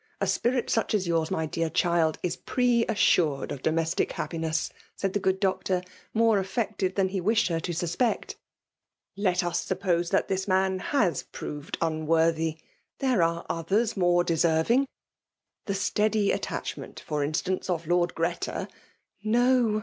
A Spirit such as yours, my dear child, is pre assured of domestic happiness," said the good Doctor, more aflfecteci than he wished her to suspect. '' Let ub sup« pose that this man has proved unworthy, there are others more deserving. The steady at* tachment, for instance, of Lord Greta *' «No!